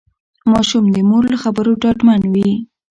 ماشوم د مور له خبرو ډاډمن وي.